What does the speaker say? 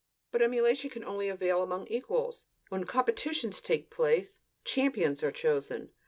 But emulation can only avail among equals. When "competitions" take place, "champions" are chosen.